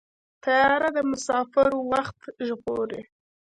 طیاره د مسافرو وخت ژغوري.